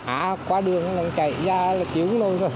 á qua đường rồi chạy ra là chiếu